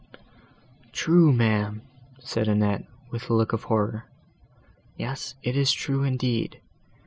"True, ma'am!" said Annette, with a look of horror, "yes, it is true, indeed.